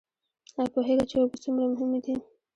ایا پوهیږئ چې اوبه څومره مهمې دي؟